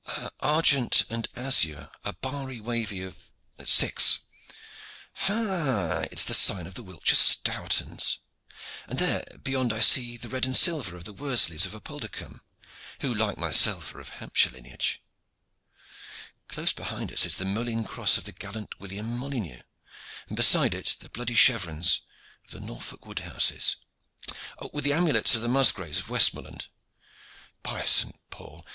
"Argent and azure, a barry wavy of six." "Ha, it is the sign of the Wiltshire Stourtons! And there beyond I see the red and silver of the Worsleys of Apuldercombe, who like myself are of Hampshire lineage. Close behind us is the moline cross of the gallant William Molyneux, and beside it the bloody chevrons of the Norfork Woodhouses, with the amulets of the Musgraves of Westmoreland. By St. Paul!